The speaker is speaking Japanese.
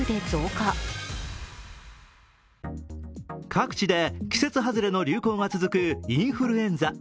各地で季節外れの流行が続くインフルエンザ。